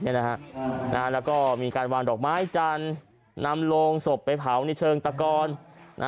แล้วก็มีการวางดอกไม้จันทร์นำโลงศพไปเผาในเชิงตะกร